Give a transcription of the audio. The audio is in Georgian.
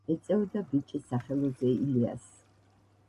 ეწეოდა ბიჭი სახელოზე ილიას.